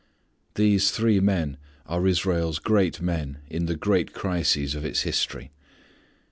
These three men are Israel's great men in the great crises of its history.